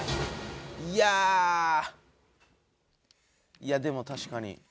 いやでも確かに。